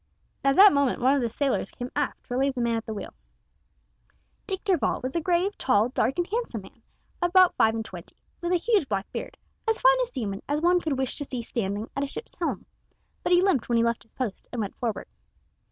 At that moment one of the sailors came aft to relieve the man at the wheel. Dick Darvall was a grave, tall, dark, and handsome man of about five and twenty, with a huge black beard, as fine a seaman as one could wish to see standing at a ship's helm, but he limped when he left his post and went forward.